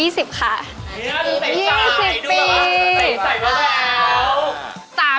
นี่นะใส่จ่ายดูแล้วค่ะใส่แล้วแล้วแล้ว